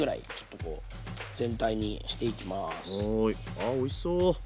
あおいしそう。